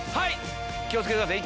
気を付けてください